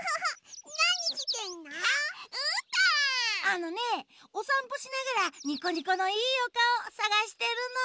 あのねおさんぽしながらニコニコのいいおかおさがしてるの。